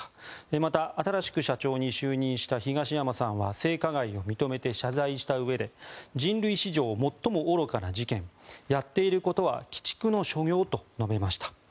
また、新しく社長に就任した東山さんは性加害を認めて謝罪したうえで人類史上最も愚かな事件やっていることは鬼畜の所業と述べました。